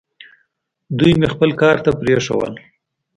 دوی مې خپل کار ته پرېښوول.